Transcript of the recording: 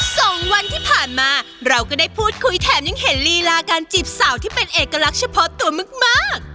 สองวันที่ผ่านมาเราก็ได้พูดคุยแถมยังเห็นลีลาการจีบสาวที่เป็นเอกลักษณ์เฉพาะตัวมากมาก